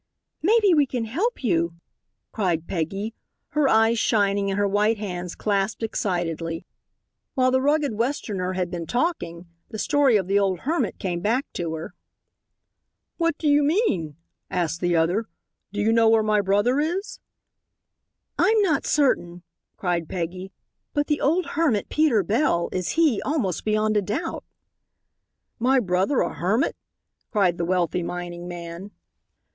"Maybe we can help you," cried Peggy, her eyes shining and her white hands clasped excitedly. While the rugged Westerner had been talking the story of the old hermit came back to her. "What do you mean?" asked the other; "do you know where my brother is?" "I'm not certain," cried Peggy, "but the old hermit, Peter Bell, is he almost beyond a doubt." "My brother a hermit!" cried the wealthy mining man.